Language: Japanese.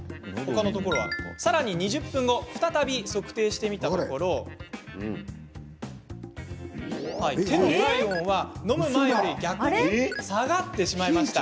再び測定したところ手の体温は飲む前より逆に下がってしまいました。